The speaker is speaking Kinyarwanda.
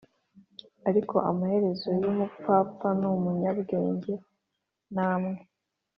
Ariko amaherezo yumupfapfa numunyabwenge namwe